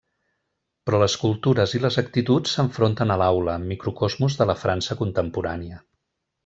Però les cultures i les actituds s'enfronten a l'aula, microcosmos de la França contemporània.